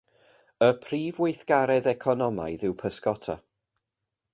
Y prif weithgaredd economaidd yw pysgota.